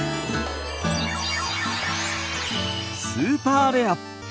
スーパーレア！